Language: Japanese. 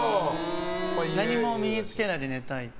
何も身に付けないで寝たい。